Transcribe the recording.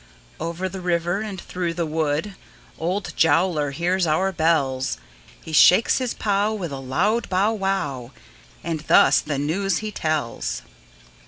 Over the river, and through the wood Old Jowler hears our bells; He shakes his pow, With a loud bow wow, And thus the news he tells.